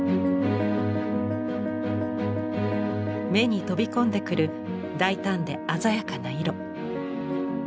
目に飛び込んでくる大胆で鮮やかな色。